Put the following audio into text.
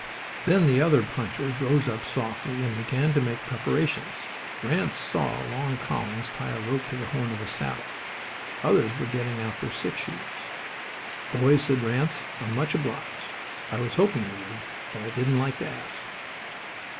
Then the other punchers rose up softly and began to make preparations. Ranse saw Long Collins tie a rope to the horn of a saddle. Others were getting out their six shooters. "Boys," said Ranse, "I'm much obliged. I was hoping you would. But I didn't like to ask."